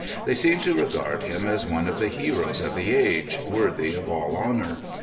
They seemed to regard him as one of the heroes of the age, worthy of all honor.